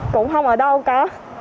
cũng không ở đâu có